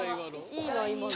いいな今のも。